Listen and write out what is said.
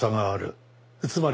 つまり。